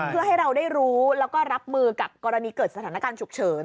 เพื่อให้เราได้รู้แล้วก็รับมือกับกรณีเกิดสถานการณ์ฉุกเฉิน